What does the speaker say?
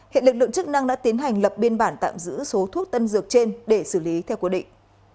hiện lực lượng chức năng đã tiến hành lập biên bản tạm giữ số thuốc tân dược trên để xử lý theo quy định